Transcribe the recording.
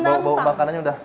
bau bau makanannya udah